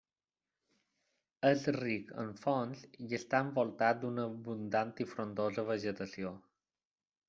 És ric en fonts i està envoltat d'una abundant i frondosa vegetació.